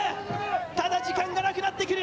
ただ、時間がなくなってくる。